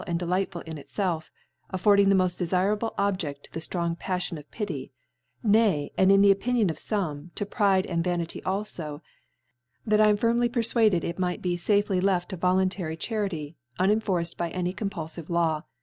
and delightful in i.tfelf,^ Affording the mpft defirable Object to the ftrong Paffiop of Pity 5 nay, and in the Opinion of fome, to Pride and Vanity at fo 5 that I ^rq fini}Iy perfuaded it might be fafely left ^ovoj notary Charit]^, unentorced by duy cpmpalGve J igw.